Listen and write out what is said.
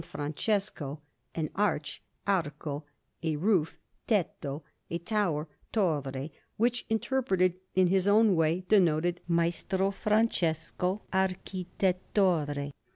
Francesco), an arch (arco), a roof (tetto), and a tower (torre), which, interpreted in his own way, denoted, "Maestro Francesco Architettore."